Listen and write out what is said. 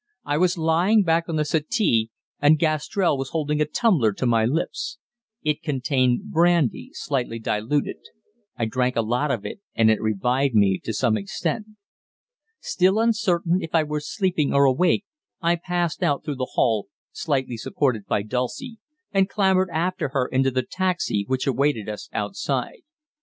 I was lying back on the settee, and Gastrell was holding a tumbler to my lips. It contained brandy slightly diluted. I drank a lot of it, and it revived me to some extent. Still uncertain if I were sleeping or awake, I passed out through the hall, slightly supported by Dulcie, and clambered after her into the taxi which awaited us outside.